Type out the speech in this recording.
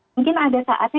mungkin ada saatnya